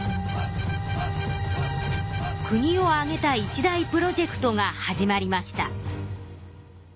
国を挙げた一大プロジェクトが始まりました。